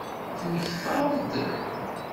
Temmektaḍ-d?